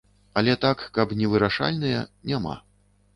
Але так, каб невырашальныя, няма.